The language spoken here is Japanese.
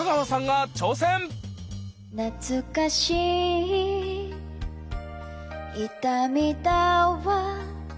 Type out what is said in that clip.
「なつかしい痛みだわ」